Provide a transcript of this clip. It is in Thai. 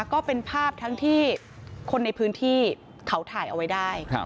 ก็เป็นภาพทั้งที่คนในพื้นที่เขาถ่ายเอาไว้ได้